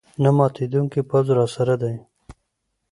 نه ماتېدونکی پوځ راسره دی.